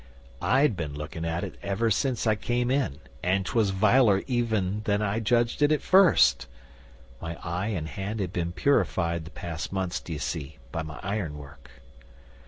'I'd been looking at it ever since I came in, and 'twas viler even than I judged it at first. My eye and hand had been purified the past months, d'ye see, by my iron work.